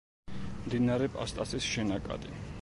მდინარე პასტასის შენაკადი.